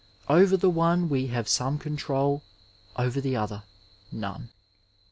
Over the one we have some control, over the other, none.